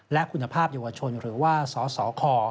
และคุณภาพจังหวัดชนหรือว่าสข